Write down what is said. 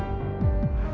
kamu mau ngajar kok ma